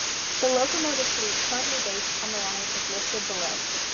The locomotive fleet currently based on the line is listed below.